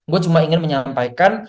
gue cuma ingin menyampaikan